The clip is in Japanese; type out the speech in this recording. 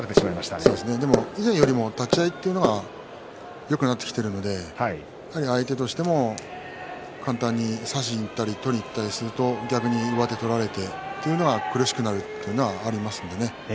以前よりも立ち合いはよくなってきているのでやはり相手としても簡単に差しにいったり取りにいったりすると逆に上手を取られて苦しくなるというのはありますね。